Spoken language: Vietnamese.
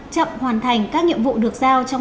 chậm hoàn thành các nhiệm vụ được giao trong